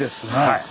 はい。